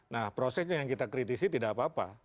nah prosesnya yang kita kritisi tidak apa apa